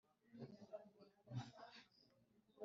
Giturumbya cya Kizinduka, murazinganya.